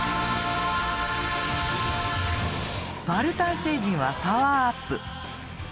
バルタン星人はパワーアップ。